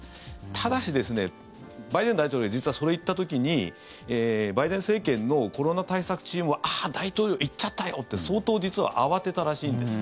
ただし、バイデン大統領がそれを言った時にバイデン政権のコロナ対策チームは大統領言っちゃったよ！って相当、実は慌てたらしいんです。